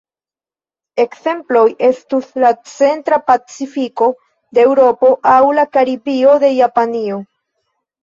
Ekzemploj estus la Centra Pacifiko de Eŭropo aŭ la Karibio de Japanio.